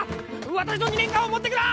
わたしの２年間を持ってくな！